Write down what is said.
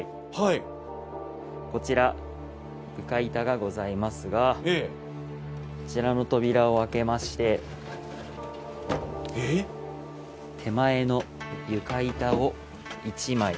こちら床板がございますがこちらの扉を開けまして手前の床板を１枚。